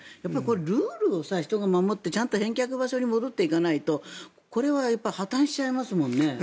ルールを人が守ってちゃんと返却場所に戻さないとこれは破たんしちゃいますもんね。